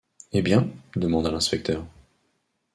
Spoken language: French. Eh bien ? demanda l’inspecteur.